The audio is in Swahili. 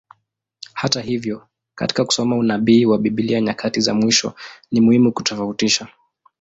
Hata hivyo, katika kusoma unabii wa Biblia nyakati za mwisho, ni muhimu kutofautisha.